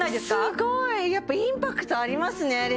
すごいやっぱりインパクトありますね